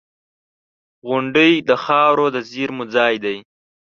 • غونډۍ د خاورو د زېرمو ځای دی.